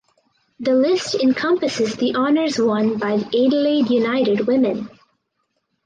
The list encompasses the honours won by Adelaide United Women.